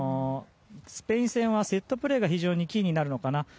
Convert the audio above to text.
スペイン戦はセットプレーが非常にキーになるのかなと。